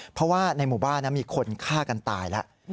เพราะว่าในหมู่บ้านมีคนฆ่ากันตายแล้ว